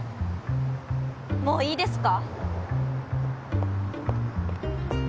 もういいですか？